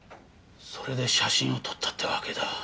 それで写真を撮ったってわけだ。